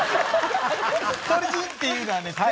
鳥人っていうのはですね